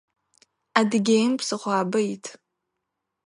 Адыгеим псыхъуабэ ит.